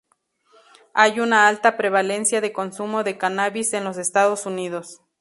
Hay una alta prevalencia de consumo de cannabis en los Estados Unidos.